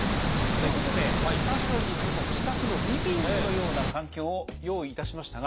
ということでスタジオにそんな自宅のリビングのような環境を用意いたしましたが。